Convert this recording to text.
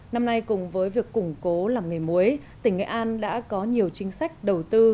năm nay cùng với việc củng cố làm nghề muối tỉnh nghệ an đã có nhiều chính sách đầu tư